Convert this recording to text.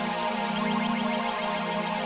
tidak ada apa apa